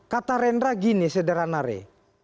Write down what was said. kata rendra gini sederhana re